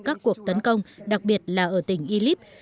các cuộc tấn công đặc biệt là ở tỉnh illib